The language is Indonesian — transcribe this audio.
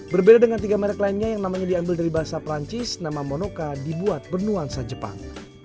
berbeda dengan tiga merek lainnya yang namanya diambil dari bahasa perancis nama monoka dibuat bernuansa jepang